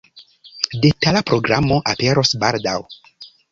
Detala programo aperos baldaŭ.